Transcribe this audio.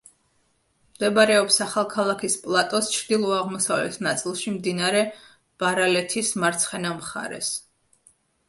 მდებარეობს ახალქალაქის პლატოს ჩრდილო-აღმოსავლეთ ნაწილში, მდინარე ბარალეთის მარცხენა მხარეს.